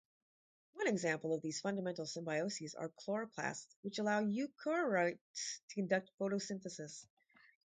One example of these fundamental symbioses are chloroplasts, which allow eukaryotes to conduct photosynthesis.